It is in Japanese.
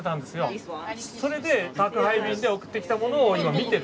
それで宅配便で送ってきたものを今見てる。